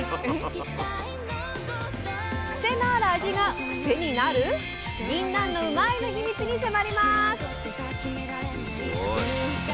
クセのある味がクセになる⁉ぎんなんのうまいッ！の秘密に迫ります。